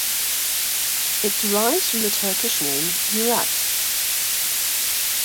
It derives from the Turkish name Murat.